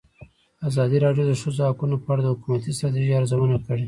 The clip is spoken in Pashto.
ازادي راډیو د د ښځو حقونه په اړه د حکومتي ستراتیژۍ ارزونه کړې.